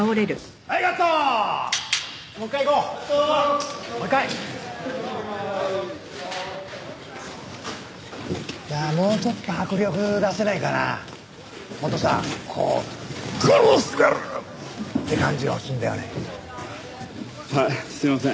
はいすいません。